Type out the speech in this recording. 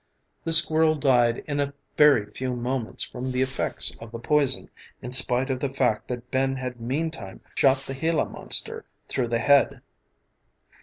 The squirrel died in a very few moments from the effects of the poison in spite of the fact that Ben had meantime shot the gila monster through the head.